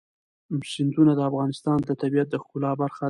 سیندونه د افغانستان د طبیعت د ښکلا برخه ده.